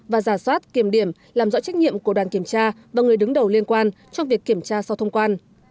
và giả soát kiểm điểm làm rõ trách nhiệm của đoàn kiểm tra và người đứng đầu liên quan trong việc kiểm tra sau thông quan